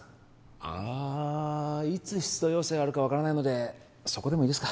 ああいつ出動要請あるか分からないのでそこでもいいですか？